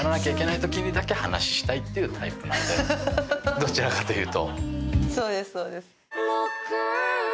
どちらかというと。